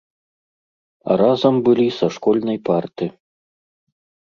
А разам былі са школьнай парты.